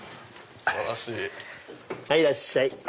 はいいらっしゃい！